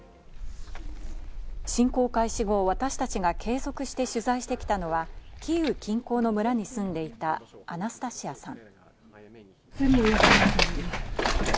侵攻開始後、私たちが継続して取材してきたのはキーウ近郊の村に住んでいたアナスタシアさん。